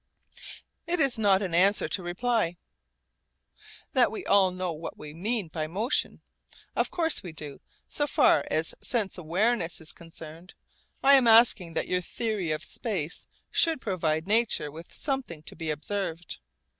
It is not an answer to reply, that we all know what we mean by motion. Of course we do, so far as sense awareness is concerned. I am asking that your theory of space should provide nature with something to be observed.